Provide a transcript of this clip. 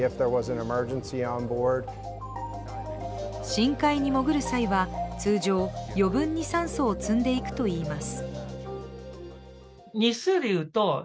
深海に潜る際は通常、余分に酸素を積んでいくといいます。